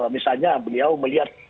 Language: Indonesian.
misalnya beliau melihat